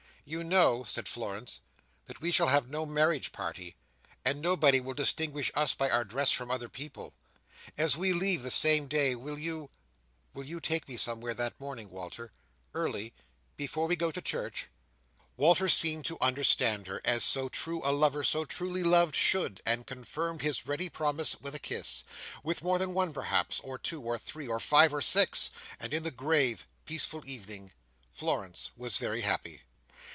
"You know," said Florence, "that we shall have no marriage party, and that nobody will distinguish us by our dress from other people. As we leave the same day, will you—will you take me somewhere that morning, Walter—early—before we go to church?" Walter seemed to understand her, as so true a lover so truly loved should, and confirmed his ready promise with a kiss—with more than one perhaps, or two or three, or five or six; and in the grave, peaceful evening, Florence was very happy.